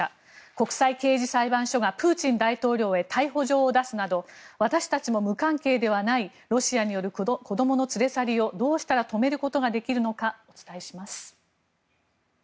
国際刑事裁判所がプーチン大統領へ逮捕状を出すなど私たちも無関係ではないロシアによる子どもの連れ去りをどうしたら止めることができるのかお伝えします。